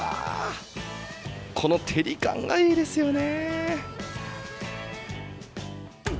この照り感がいいですよね！